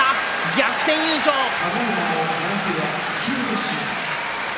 逆転優勝です。